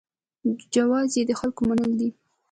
جواز یې د خلکو منل دي.